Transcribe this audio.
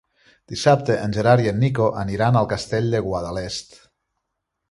Dissabte en Gerard i en Nico aniran al Castell de Guadalest.